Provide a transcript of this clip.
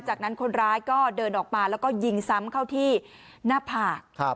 จากนั้นคนร้ายก็เดินออกมาแล้วก็ยิงซ้ำเข้าที่หน้าผาก